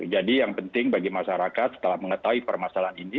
jadi yang penting bagi masyarakat setelah mengetahui permasalahan ini